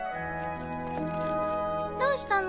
どうしたの？